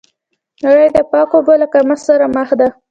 نړۍ د پاکو اوبو له کمښت سره مخ ده.